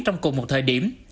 trong cùng một thời điểm